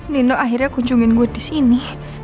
nino akhirnya kunjungin good di sini